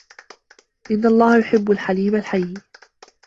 إنَّ اللَّهَ يُحِبُّ الْحَلِيمَ الْحَيِيَّ